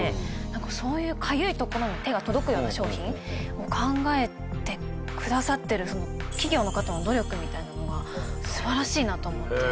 なんかそういうかゆいところに手が届くような商品を考えてくださってる企業の方の努力みたいなのが素晴らしいなと思って。